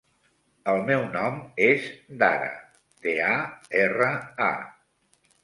El meu nom és Dara: de, a, erra, a.